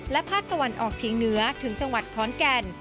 และภาคตะวันออกเชียงเหนือถึงจังหวัดขอนแก่น